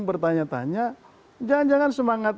bertanya tanya jangan jangan semangat